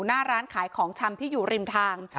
หน้าร้านขายของชำที่อยู่ริมทาง